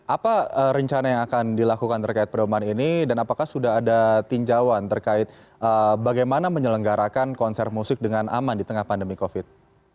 apa rencana yang akan dilakukan terkait pedoman ini dan apakah sudah ada tinjauan terkait bagaimana menyelenggarakan konser musik dengan aman di tengah pandemi covid